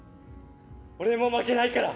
俺も負けないから。